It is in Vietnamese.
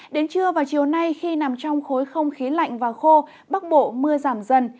đến trưa vào chiều nay khi nằm trong khối không khí lạnh và khô bắc bộ mưa giảm dần